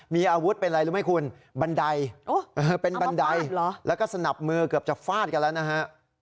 มีอาวุธเป็นอะไรรู้ไหมคุณบันไดเป็นบันไดแล้วก็สนับมือเกือบจะฟาดกันแล้วนะฮะ